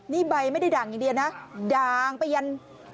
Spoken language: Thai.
นี่ใบไม่ได้ด่างอย่างเดียวนะด่างไปยัน